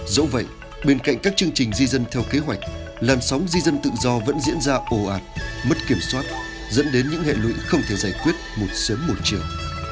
dẫu vậy bên cạnh các chương trình di dân theo kế hoạch làn sóng di dân tự do vẫn diễn ra ồ ạt mất kiểm soát dẫn đến những hệ lụy không thể giải quyết một sớm một chiều